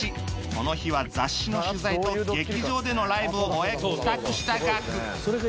この日は雑誌の取材と劇場でのライブを終え帰宅したガク